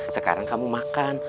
sekarang kamu makan